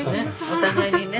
お互いにね。